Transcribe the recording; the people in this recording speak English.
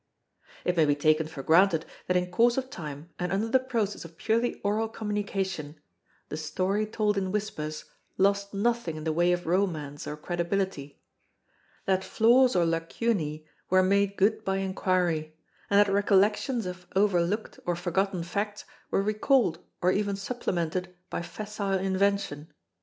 It may be taken for granted that in course of time and under the process of purely oral communication, the story told in whispers lost nothing in the way of romance or credibility; that flaws or lacunæ were made good by inquiry; and that recollections of overlooked or forgotten facts were recalled or even supplemented by facile invention.